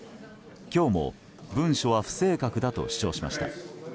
今日も文書は不正確だと主張しました。